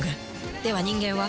では人間は？